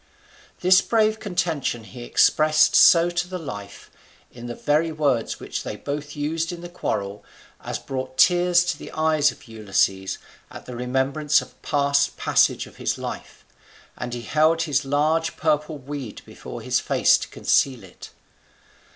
This brave contention he expressed so to the life, in the very words which they both used in the quarrel, as brought tears into the eyes of Ulysses at the remembrance of past passages of his life, and he held his large purple weed before his face to conceal it.